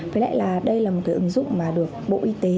với lại là đây là một cái ứng dụng mà được bộ y tế